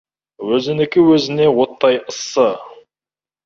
Өзінікі өзіне оттай ыссы.